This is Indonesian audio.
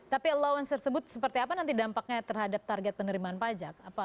tapi allowance tersebut seperti apa nanti dampaknya terhadap target penerimaan pajak